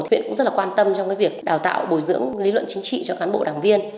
huyện cũng rất là quan tâm trong việc đào tạo bồi dưỡng lý luận chính trị cho cán bộ đảng viên